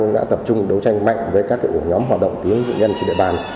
đã tập trung đấu tranh mạnh với các nhóm hoạt động tiến dụng nhân trên địa bàn